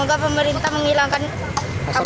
semoga pemerintah menghilangkan kabut asap